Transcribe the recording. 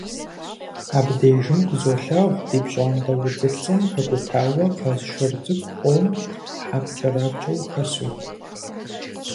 Абдежым къызолъагъу ди пщӀантӀэ удзыпцӀэм хэкӀутауэ къаз шыр цӀыкӀу къом хьэпкӀэрапкӀэу хэсу.